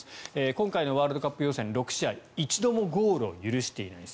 今回のワールドカップ予選６試合、一度もゴールを許していません。